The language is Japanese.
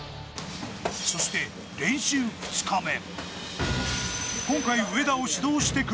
そして、練習２日目。